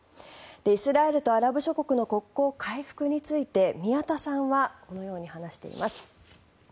イスラエルとアラブ諸国の国交回復について宮田さんはこのように話しています。